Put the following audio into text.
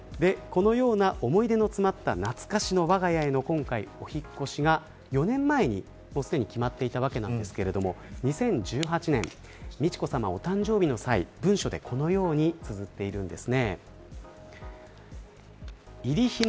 このような思い出の詰まった懐かしのわが家へのお引っ越しが４年前にすでに決まっていたわけですが２０１８年美智子さま、お誕生日の際文書でこのようにつづっています。